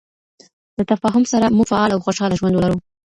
د تفاهم سره، موږ فعال او خوشحاله ژوند ولرو.